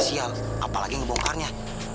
sial apalagi ngebokarnya